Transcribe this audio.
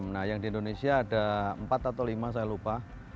nah yang di indonesia ada empat atau lima saya lupa